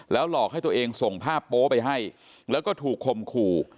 หลอกให้ตัวเองส่งภาพโป๊ไปให้แล้วก็ถูกคมขู่